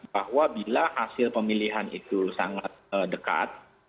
bahwa bila hasil pemilihan itu sangat dekat